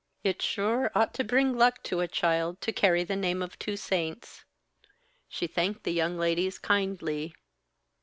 It sure ought to bring luck to a child to carry the name of two saints. She thanked the young ladies kindly.